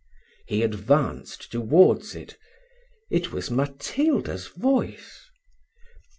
He advanced towards it it was Matilda's voice.